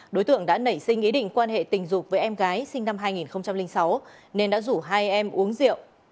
đối tượng đã nảy sinh ý định quan hệ tình dục với em gái sinh năm hai nghìn sáu nên đã rủ hai em uống rượu